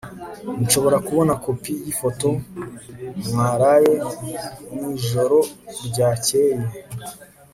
nshobora kubona kopi yifoto mwaraye mwijoro ryakeye